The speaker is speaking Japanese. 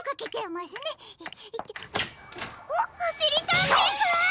おしりたんていさん！